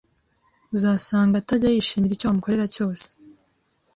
Uzasanga atajya yishimira icyo wamukorera cyose